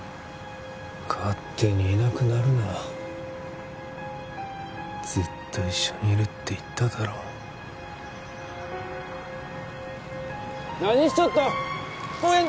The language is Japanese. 勝手にいなくなるなずっと一緒にいるって言っただろ何しちょっと！？